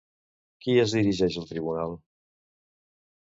Qui es dirigeix al tribunal?